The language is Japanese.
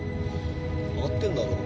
合ってんだろ？